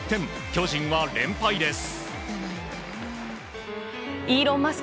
巨人は連敗です。